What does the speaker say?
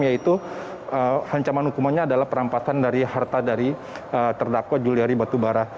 yaitu ancaman hukumannya adalah perampasan dari harta dari terdakwa juliari batubara